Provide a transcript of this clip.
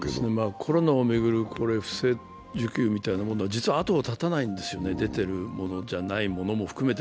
コロナを巡る不正受給みたいなものは実は後を絶たないんです、出てないものも含めて。